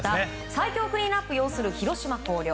最強クリーンアップ擁する広陵高校。